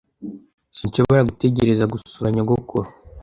Sinshobora gutegereza gusura nyogokuru.